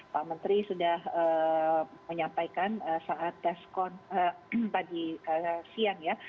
pak menteri sudah menyampaikan saat deskon pagi siang ya